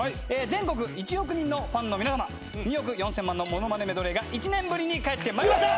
全国１億人のファンの皆さま２億４千万のものまねメドレーが１年ぶりに帰ってまいりました！